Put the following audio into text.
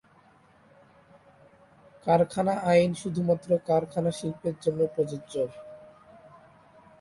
কারখানা আইন শুধুমাত্র কারখানা শিল্পের জন্য প্রযোজ্য।